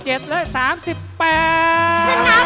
ชนะไปแล้ว